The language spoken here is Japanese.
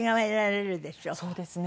そうですね。